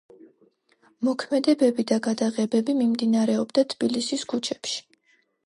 მოქმედებები და გადაღებები მიმდინარეობდა თბილისის ქუჩებში.